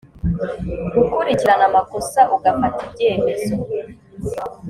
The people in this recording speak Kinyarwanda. gukurikirana amakosa ugafata ibyemezo